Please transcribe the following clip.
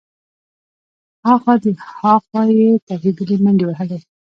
ها خوا دې خوا يې ترهېدلې منډې وهلې.